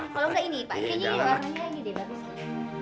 kalau enggak ini pak